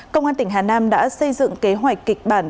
công an tỉnh hà nam đã xây dựng kế hoạch kịch bản